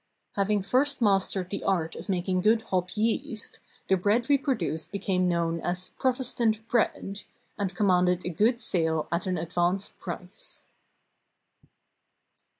Having first mastered the art of making good hop yeast, the bread we produced became known as "Prot estant bread" and commanded a good sale at an ad vanced price.